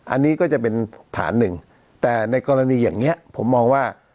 อันนี้ก็จะเป็นฐานหนึ่งแต่ในกรณีอย่างนี้ผมมองว่า